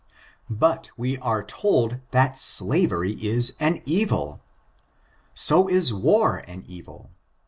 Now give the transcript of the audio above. * But we are told that slavery is an evil.f So is war an evil.